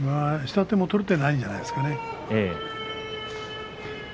下手も取っていないんじゃないですかね。